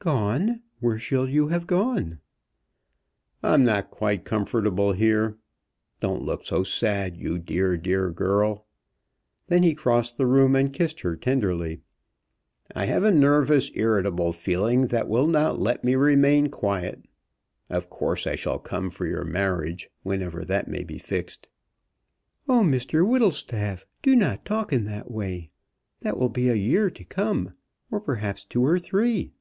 "Gone! where shall you have gone?" "I'm not quite comfortable here. Don't look so sad, you dear, dear girl." Then he crossed the room and kissed her tenderly. "I have a nervous irritable feeling which will not let me remain quiet. Of course, I shall come for your marriage, whenever that may be fixed." "Oh, Mr Whittlestaff, do not talk in that way! That will be a year to come, or perhaps two or three.